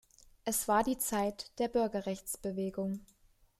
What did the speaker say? Es war die Zeit der Bürgerrechtsbewegung.